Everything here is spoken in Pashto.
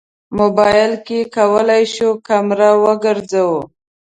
موبایل کې کولی شو کمره وګرځوو.